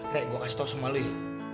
re gue kasih tau sama lo ya